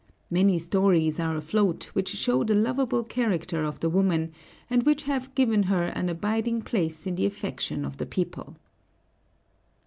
[*157] Many stories are afloat which show the lovable character of the woman, and which have given her an abiding place in the affections of the people.